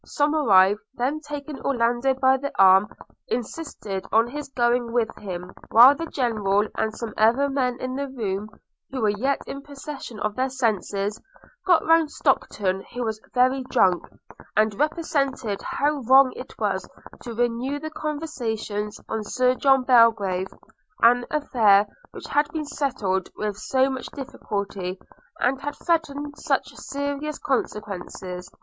Somerive then taking Orlando by the arm, insisted on his going with him; while the General, and some other men in the room, who were yet in possession of their senses, got round Stockton, who was very drunk, and represented how wrong it was to renew the conversation on Sir John Belgrave; an affair which had been settled with so much difficulty, and had threatened such serious consequences.